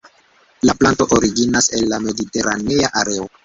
La planto originas el la mediteranea areo.